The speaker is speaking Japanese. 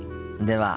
では。